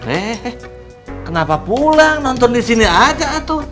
eh kenapa pulang nonton disini aja tuh